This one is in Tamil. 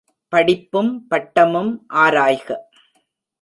படிப்பும் பட்டமும் ஆராய்க.